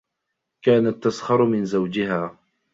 كانت تسخر من زوجها.